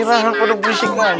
kita mau tidur sekarang